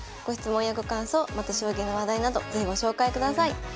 ご質問やご感想また将棋の話題など是非ご紹介ください。